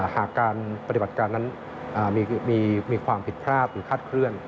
หากการปฏิบัติการนั้นมีความผิดพลาดหรือคาดเคลื่อน